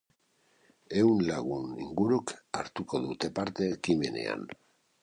Ehun lagun inguruk hartuko dute parte ekimenean.